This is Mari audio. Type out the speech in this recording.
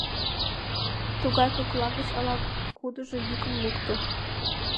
Тугай кокла гыч ала-кудыжо йӱкым лукто: